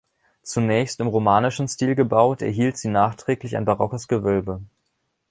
Zunächst im romanischen Stil gebaut, erhielt sie nachträglich ein barockes Gewölbe.